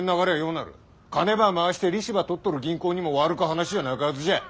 金ば回して利子ば取っとる銀行にも悪か話じゃなかはずじゃ。